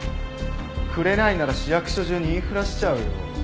くれないなら市役所中に言いふらしちゃうよ。